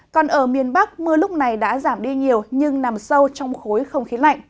còn ở miền bắc mưa lúc này đã giảm đi nhiều nhưng nằm sâu trong khối không khí lạnh